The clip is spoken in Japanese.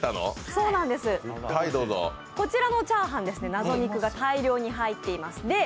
こちらのちゃーはん、謎肉が大量に入っています。